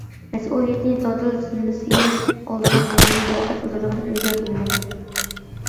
مەسئۇلىيەتنى دادىل زىممىسىگە ئالىدىغان، رولىنى جارى قىلدۇرىدىغان ئۈلگە بولىمەن.